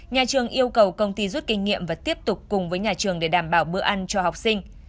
nhà trường yêu cầu công ty rút kinh nghiệm và tiếp tục cùng với nhà trường để đảm bảo bữa ăn cho học sinh